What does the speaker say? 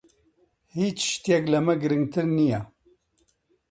هیچ شتێک لەمە گرنگتر نییە.